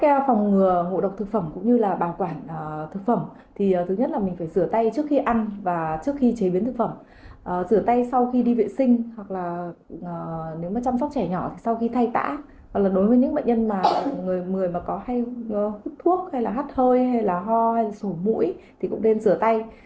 cái phòng ngừa ngộ độc thực phẩm cũng như là bảo quản thực phẩm thì thứ nhất là mình phải rửa tay trước khi ăn và trước khi chế biến thực phẩm rửa tay sau khi đi vệ sinh hoặc là nếu mà chăm sóc trẻ nhỏ thì sau khi thay tả hoặc là đối với những bệnh nhân mà người mà có hay hút thuốc hay là hát hơi hay là ho hay sổ mũi thì cũng nên rửa tay